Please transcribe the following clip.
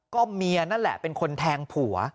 ก็เมียนั่นแหละเป็นคนแทงผัว